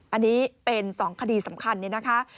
อันนี้เป็น๒คดีสำคัญนี่นะคะ